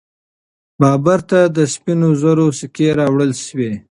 بابر ته د سپینو زرو سکې راوړل سوې.